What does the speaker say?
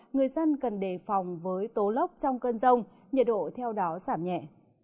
người dân cần đề phòng với tố lốc trong cơn rông nhiệt độ theo đó giảm nhẹ